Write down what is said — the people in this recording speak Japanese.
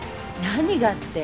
何がって。